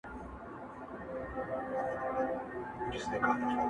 o زما پر ټوله وجود واک و اختیار ستا دی,